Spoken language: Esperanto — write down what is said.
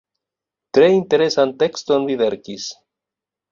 Tre interesan tekston vi verkis.